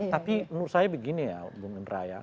tapi menurut saya begini ya